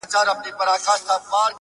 o ستا څخه ډېر تـنگ ـ